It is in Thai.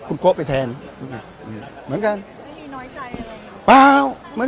คุณโกะไปแทนเหมือนกันไม่มีน้อยใจเปล่ามัน